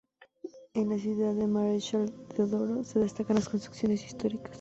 En la ciudad de Marechal Deodoro se destacan las construcciones históricas.